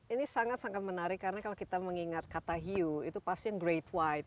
ini sangat sangat menarik karena kalau kita mengingat kata hiu itu pasti yang great white